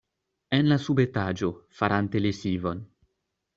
En la subetaĝo, farante lesivon.